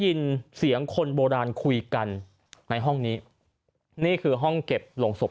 ได้ยินเสียงคนโบราณคุยกันในห้องนี้นี่คือห้องเก็บโรงศพ